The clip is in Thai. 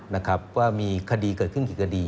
นะครับว่ามีคดีเกิดขึ้นกี่คดี